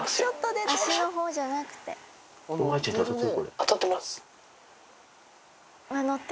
当たってます。